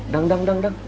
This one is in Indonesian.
dang dang dang dang